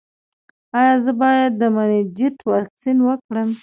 ایا زه باید د مننجیت واکسین وکړم؟